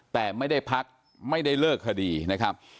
แต่ไม่ได้พักไม่ได้เลิกคดีนะครับ